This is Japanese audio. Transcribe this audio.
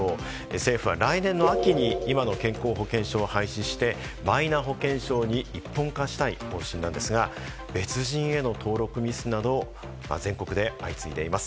政府は来年の秋に今の健康保険証を廃止して、マイナ保険証に一本化したい方針なんですが、別人への登録ミスなど全国で相次いでいます。